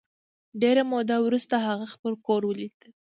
ډېره موده وروسته هغه خپل کور ولید